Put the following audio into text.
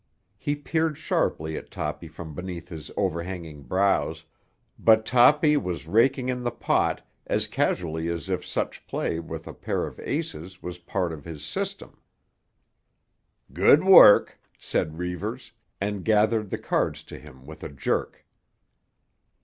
He peered sharply at Toppy from beneath his overhanging brows, but Toppy was raking in the pot as casually as if such play with a pair of aces was part of his system. "Good work!" said Reivers, and gathered the cards to him with a jerk.